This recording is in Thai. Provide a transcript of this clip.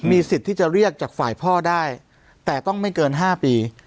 สิทธิ์ที่จะเรียกจากฝ่ายพ่อได้แต่ต้องไม่เกิน๕ปี